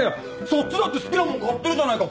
そっちだって好きなもん買ってるじゃないか！